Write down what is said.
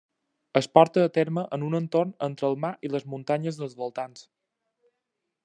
Es porta a terme en un entorn entre el mar i les muntanyes dels voltants.